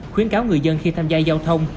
khuyến cáo người dân khi tham gia giao thông